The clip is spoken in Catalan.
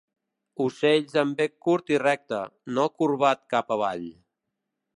Ocells amb bec curt i recte, no corbat cap avall.